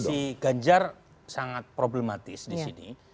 ini sangat problematis disini